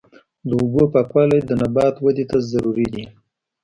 د اوبو پاکوالی د نبات ودې ته ضروري دی.